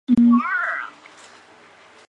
绍兴二年壬子科张九成榜进士。